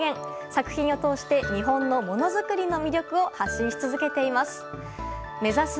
作品を通して日本のものづくりの魅力を発信し続けています。